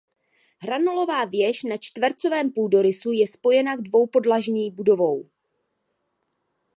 Hranolová věž na čtvercovém půdorysu je spojena k dvoupodlažní budovou.